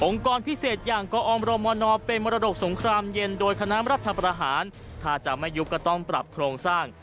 กรพิเศษอย่างกอมรมนเป็นมรดกสงครามเย็นโดยคณะรัฐประหารถ้าจะไม่ยุบก็ต้องปรับโครงสร้าง